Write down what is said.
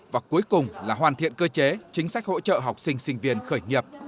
và cuối cùng là hoàn thiện cơ chế chính sách hỗ trợ học sinh sinh viên khởi nghiệp